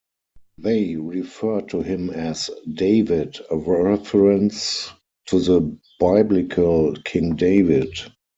They referred to him as 'David', a reference to the Biblical king David.